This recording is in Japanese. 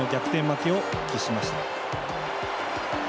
負けを喫しました。